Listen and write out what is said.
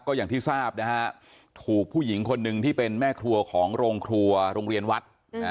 ก็อย่างที่ทราบนะฮะถูกผู้หญิงคนหนึ่งที่เป็นแม่ครัวของโรงครัวโรงเรียนวัด